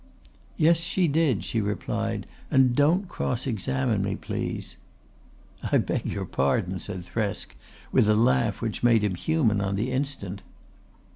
"Yes, she did," she replied, "and don't cross examine me, please." "I beg your pardon," said Thresk with a laugh which made him human on the instant.